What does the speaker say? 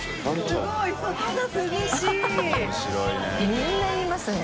みんな言いますね